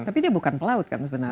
tapi dia bukan pelaut kan sebenarnya